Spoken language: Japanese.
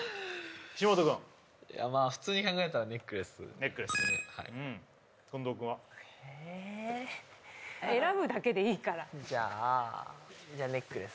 岸本くんいやまあ普通に考えたらネックレスネックレスうん近藤くんは？えっ選ぶだけでいいからじゃあじゃネックレス？